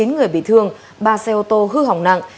chín người bị thương ba xe ô tô hư hỏng nặng